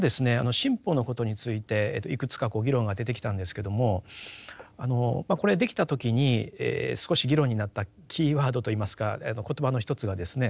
新法のことについていくつか議論が出てきたんですけどもこれできた時に少し議論になったキーワードといいますか言葉の一つがですね